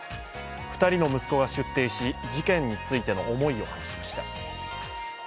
２人の息子が出廷し、事件についての思いを話しました。